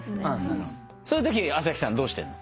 そういうときアサヒさんどうしてんの？